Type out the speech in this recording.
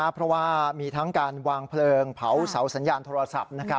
เพราะว่ามีทั้งการวางเพลิงเผาเสาสัญญาณโทรศัพท์